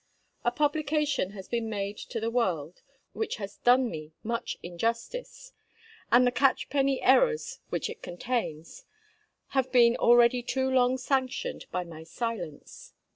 A publication has been made to the world, which has done me much injustice; and the catchpenny errors which it contains, have been already too long sanctioned by my silence.